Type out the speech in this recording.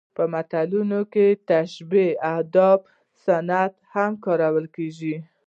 په متلونو کې د تشبیه ادبي صنعت هم کارول کیږي